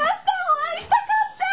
お会いしたかった！